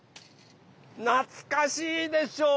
なつかしいでしょ？